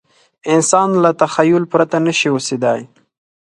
انسان له تخیل پرته نه شي اوسېدای.